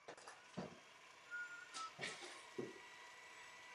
A právě ztráta vegetace v důsledku ochlazení mohla způsobit vymizení jeskynních medvědů.